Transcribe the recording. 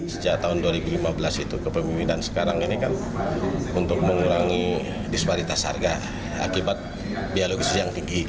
sejak tahun dua ribu lima belas itu kepemimpinan sekarang ini kan untuk mengurangi disparitas harga akibat biaya logistik yang tinggi